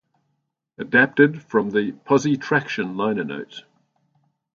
Adapted from the "Positraction" liner notes.